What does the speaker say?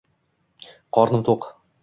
Qornim to'q.